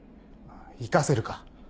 「行かせるか」